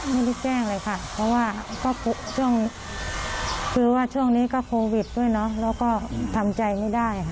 ไม่ได้แจ้งเลยค่ะเพราะว่าช่วงนี้ก็โควิดด้วยแล้วก็ทำใจไม่ได้